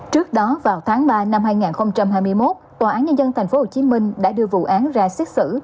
trước đó vào tháng ba năm hai nghìn hai mươi một tòa án nhân dân tp hcm đã đưa vụ án ra xét xử